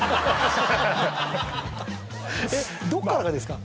えっどっからがですか？